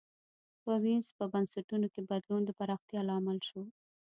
په وینز په بنسټونو کې بدلون د پراختیا لامل شو.